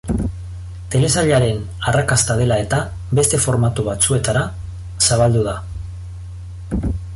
Telesailaren arrakasta dela eta, beste formatu batzuetara zabaldu da.